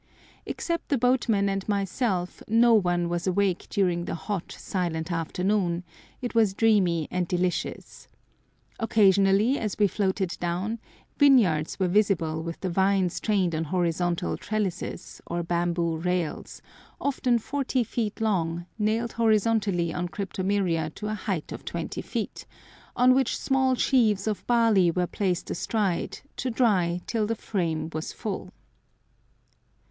Except the boatmen and myself, no one was awake during the hot, silent afternoon—it was dreamy and delicious. Occasionally, as we floated down, vineyards were visible with the vines trained on horizontal trellises, or bamboo rails, often forty feet long, nailed horizontally on cryptomeria to a height of twenty feet, on which small sheaves of barley were placed astride to dry till the frame was full.